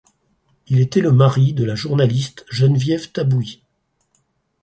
Il était le mari de la journaliste Geneviève Tabouis.